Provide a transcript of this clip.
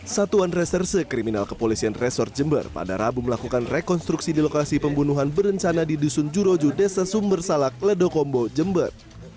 satuan reserse kriminal kepolisian resort jember pada rabu melakukan rekonstruksi di lokasi pembunuhan berencana di dusun juroju desa sumber salak ledokombo jember